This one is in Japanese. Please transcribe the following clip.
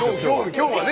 今日はね